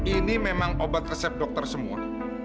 ini memang obat resep dokter semua